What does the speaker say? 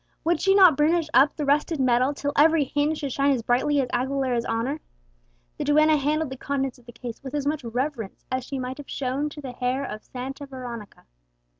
Would she not burnish up the rusted metal till every hinge should shine as brightly as Aguilera's honour! The duenna handled the contents of the case with as much reverence as she might have shown to the hair of Santa Veronica!